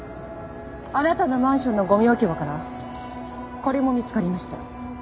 あなたのマンションのゴミ置き場からこれも見つかりました。